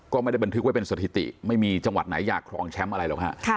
ก็ไม่ได้บันทึกไว้เป็นสถิติไม่มีจังหวัดไหนอยากครองแชมป์อะไรหรอกฮะ